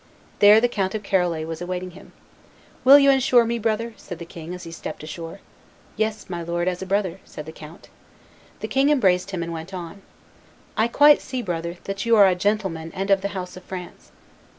There the Count of Charolais was awaiting him. "Will you insure me, brother?" said the king, as he stepped ashore. "Yes, my lord, as a brother," said the count. The king embraced him and went on; "I quite see, brother, that you are a gentleman and of the house of France."